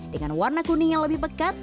dengan warna kuning yang lebih pekat